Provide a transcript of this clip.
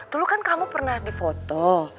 dulu kan kamu pernah di foto